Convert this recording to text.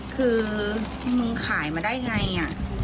คือมึงขายมาได้ไง